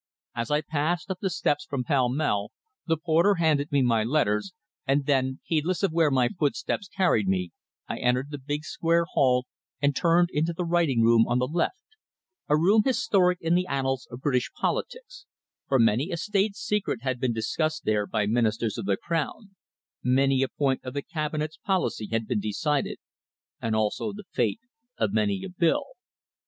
As I passed up the steps from Pall Mall the porter handed me my letters, and then, heedless of where my footsteps carried me, I entered the big, square hall and turned into the writing room on the left a room historic in the annals of British politics, for many a State secret had been discussed there by Ministers of the Crown, many a point of the Cabinet's policy had been decided, and also the fate of many a bill.